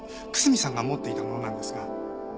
楠見さんが持っていたものなんですが。